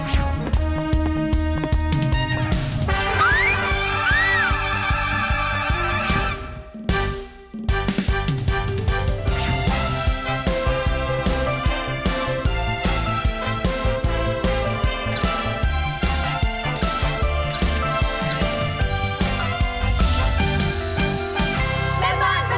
รายการต่อไป